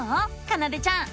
かなでちゃん。